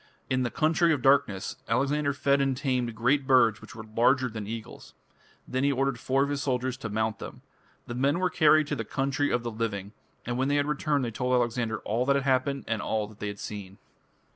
"In the Country of Darkness" Alexander fed and tamed great birds which were larger than eagles. Then he ordered four of his soldiers to mount them. The men were carried to the "Country of the Living", and when they returned they told Alexander "all that had happened and all that they had seen".